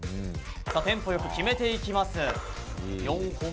テンポ良く決めていきます。